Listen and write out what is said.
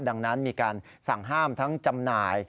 ดังนั้นมีการสั่งห้ามทั้งจำหน่าย